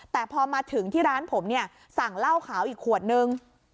แต่พอมาถึงที่ร้านผมเนี่ยสั่งเหล้าขาวอีกขวดนึง